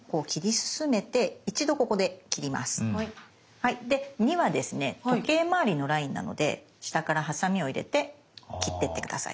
はいで２はですね時計まわりのラインなので下からハサミを入れて切ってって下さい。